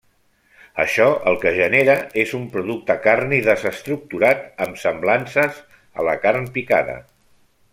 Això el que genera és un producte carni desestructurat, amb semblances a la carn picada.